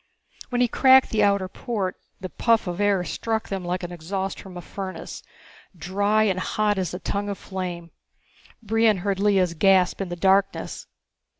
When he cracked the outer port the puff of air struck them like the exhaust from a furnace, dry and hot as a tongue of flame. Brion heard Lea's gasp in the darkness.